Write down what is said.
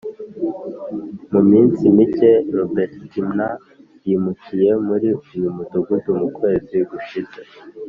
Mu Minsi Mike Roberitina Yimukiye Muri Uyu Mudugudu Mu Kwezi Gushize